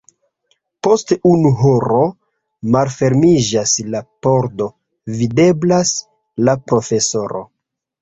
Post unu horo malfermiĝas la pordo, videblas la profesoro.